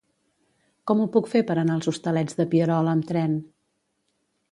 Com ho puc fer per anar als Hostalets de Pierola amb tren?